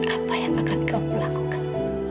apa yang akan kamu lakukan